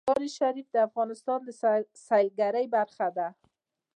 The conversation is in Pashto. مزارشریف د افغانستان د سیلګرۍ برخه ده.